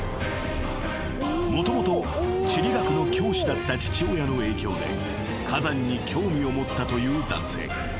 ［もともと地理学の教師だった父親の影響で火山に興味を持ったという男性］